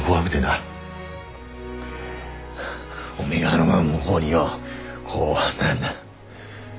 おめえがあのまま向ごうによこう。